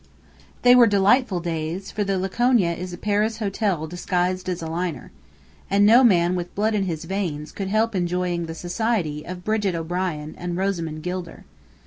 They were delightful days, for the Laconia is a Paris hotel disguised as a liner. And no man with blood in his veins could help enjoying the society of Brigit O'Brien and Rosamond Gilder.